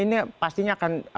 ini pastinya akan